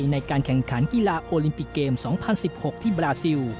ในการแข่งขันกีฬาโอลิมปิกเกม๒๐๑๖ที่บราซิล